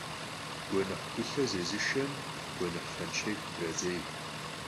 Гуэныхь гулъэ зезышэм гуэныхь фэншей худрадзей.